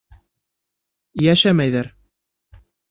Йәшәмәйҙәр.